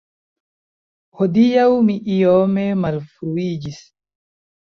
Hodiaŭ mi iome malfruiĝis.